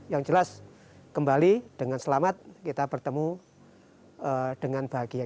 yang jelas kembali dengan selamat kita bertemu dengan bahagia